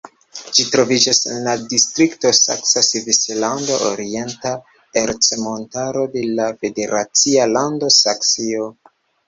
Ĝi troviĝas en la distrikto Saksa Svislando-Orienta Ercmontaro de la federacia lando Saksio.